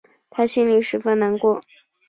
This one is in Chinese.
她心里十分难过